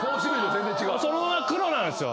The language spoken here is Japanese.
そのまま黒なんすよ。